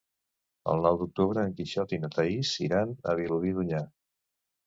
El nou d'octubre en Quixot i na Thaís iran a Vilobí d'Onyar.